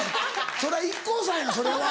それはＩＫＫＯさんやそれは。